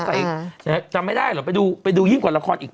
แต่จำไม่ได้เหรอไปดูยิ่งกว่าละครอีก